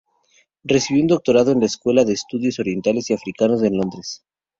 Recibió un doctorado en la Escuela de Estudios Orientales y Africanos en Londres.